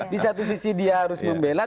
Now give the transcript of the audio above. di satu sisi dia harus membela